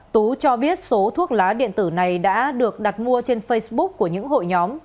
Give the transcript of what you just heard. tú cho biết số thuốc lá điện tử này đã được đặt mua trên facebook của những hội nhóm